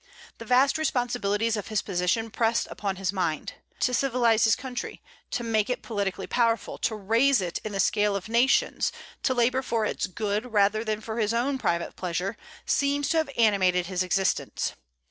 The vast responsibilities of his position pressed upon his mind. To civilize his country, to make it politically powerful, to raise it in the scale of nations, to labor for its good rather than for his own private pleasure, seems to have animated his existence.